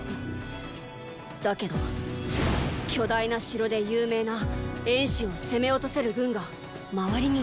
だけど巨大な城で有名な衍氏を攻め落とせる軍が周りにいないよ。